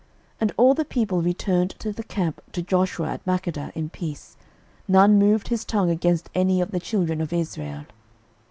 06:010:021 And all the people returned to the camp to Joshua at Makkedah in peace: none moved his tongue against any of the children of Israel.